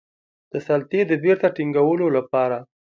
د سلطې د بیرته ټینګولو لپاره.